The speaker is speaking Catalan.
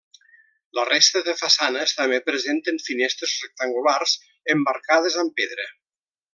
La resta de façanes també presenten finestres rectangulars emmarcades amb pedra.